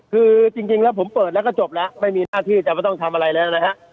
คือจริงแล้วผมเปิดแล้วก็จบแล้วไม่มีหน้าที่จะไม่ต้องทำอะไรแล้วนะฮะ